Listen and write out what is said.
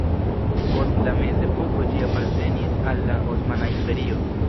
Post la mezepoko ĝi apartenis al la Osmana Imperio.